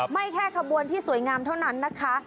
แค่ขบวนที่สวยงามเท่านั้นนะคะ